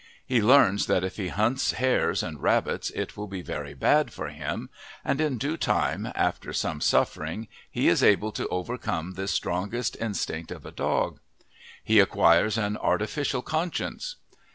He learns that if he hunts hares and rabbits it will be very bad for him, and in due time, after some suffering, he is able to overcome this strongest instinct of a dog. He acquires an artificial conscience.